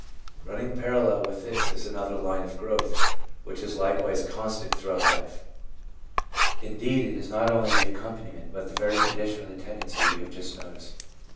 Running parallel with this is another line of growth which is likewise constant throughout life ; indeed it is 348 THE PSYCHOLOGY OF RELIGION not only the accompaniment, but the very condition of the tendency we have just noticed.